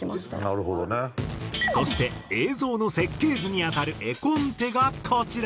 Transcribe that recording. そして映像の設計図に当たる絵コンテがこちら。